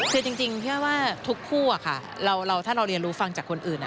คือจริงพี่อ้อยว่าทุกคู่ถ้าเราเรียนรู้ฟังจากคนอื่น